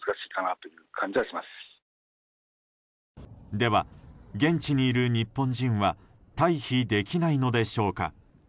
では、現地にいる日本人は退避できないのでしょうか。